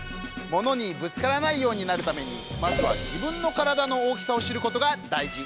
ものにぶつからないようになるためにまずは自分の体の大きさを知ることがだいじ！